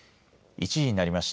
１時になりました。